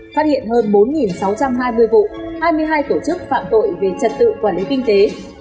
phát hiện hơn bốn sáu trăm hai mươi vụ hai mươi hai tổ chức phạm tội về trật tự quản lý kinh tế